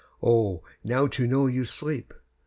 Oh, now to know you sleep!